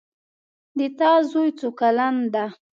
د تا زوی څو کلن ده